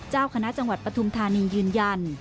เจ้าคณะจังหวัดปฐุมธานียืนยัน